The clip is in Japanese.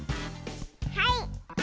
はい。